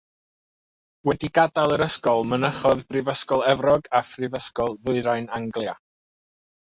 Wedi gadael yr ysgol mynychodd Brifysgol Efrog a Phrifysgol Ddwyrain Anglia.